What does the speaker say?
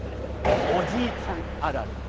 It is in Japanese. おじいちゃんあるある。